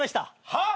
はっ！？